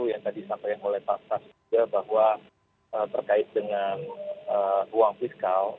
yang tadi sampaikan oleh pak pras juga bahwa terkait dengan uang fiskal